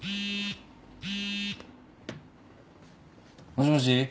もしもし？